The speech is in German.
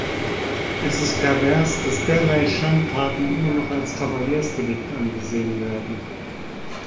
Es ist pervers, dass derlei Schandtaten immer noch als Kavaliersdelikt angesehen werden.